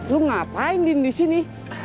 lu ngapain di sini